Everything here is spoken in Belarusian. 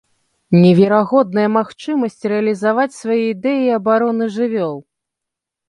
Неверагодная магчымасць рэалізаваць свае ідэі абароны жывёл!